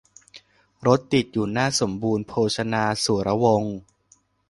รถติดอยู่หน้าสมบูรณ์โภชนาสุรวงศ์